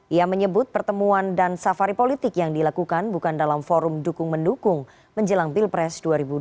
ia menyebut pertemuan dan safari politik yang dilakukan bukan dalam forum dukung mendukung menjelang pilpres dua ribu dua puluh